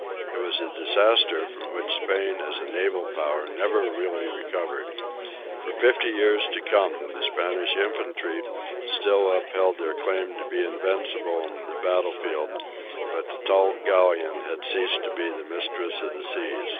It was a disaster from which Spain as a naval power never really recovered. For fifty years to come the Spanish infantry still upheld their claim to be invincible on the battlefield, but the tall galleon had ceased to be the mistress of the seas.